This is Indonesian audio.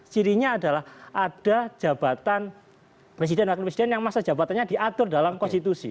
cirinya adalah ada jabatan presiden dan presiden yang masa jabatannya diatur dalam konstitusi